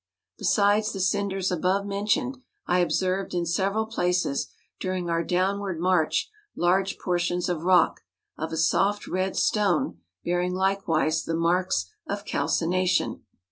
Besides the cinders above mentioned, I observed in several places during our downward march large portions of rock, of a soft red stone, bearing likewise the marks of calcina¬ tion.